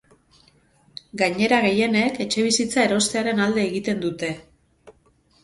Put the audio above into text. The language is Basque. Gainera, gehienek etxebizitza erostearen alde egiten dute.